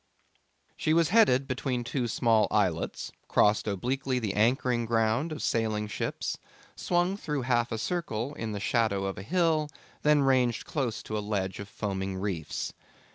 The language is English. She was headed between two small islets, crossed obliquely the anchoring ground of sailing ships, swung through half a circle in the shadow of a hill, then ranged close to a ledge of foaming reefs.